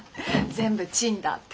「全部チンだ」って。